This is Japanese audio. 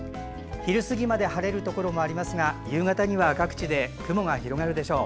昼過ぎまで晴れるところもありますが夕方には各地で雲が広がるでしょう。